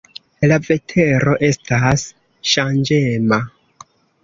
La vetero estas ŝanĝema.